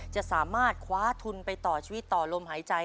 จะสามารถคว้าทุนไปต่อชีวิตต่อลมหายใจ